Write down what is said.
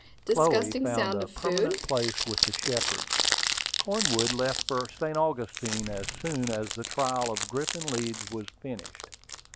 Chloe found a permanent place with the Shepards. Cornwood left for St. Augustine as soon as the trial of Griffin Leeds was finished.